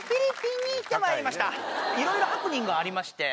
いろいろハプニングがありまして。